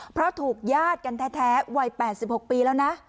เพราะถูกญาติกันแท้วัย๘๖ปีแล้วนะ